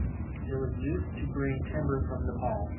It was used to bring timber from Nepal.